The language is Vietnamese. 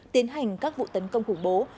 tiến hành các vụ tấn công khủng bố